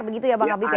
begitu ya pak nabil ya